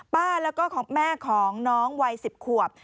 ป้าแล้วก็แม่ของน้องวัย๑๐ขวบ